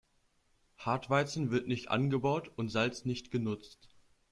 Hartweizen wird nicht angebaut und Salz nicht genutzt.